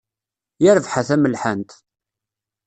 Yerbeḥ a tamelḥant.